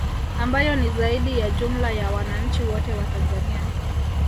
Ambayo ni zaidi ya jumla ya wananchi wote wa Tanzania